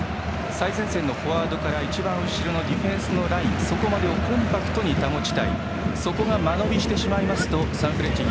最前線のフォワードから一番後ろのディフェンスのラインをコンパクトに保ちたいそこが間延びしてしまうとサンフレッチェ